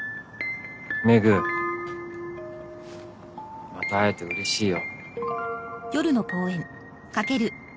廻また会えてうれしいよ。